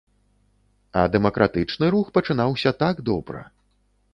А дэмакратычны рух пачынаўся так добра.